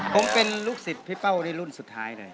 ผมเป็นลูกศิษย์พี่เป้านี่รุ่นสุดท้ายเลย